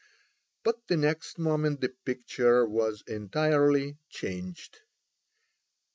But the next moment the picture was entirely changed.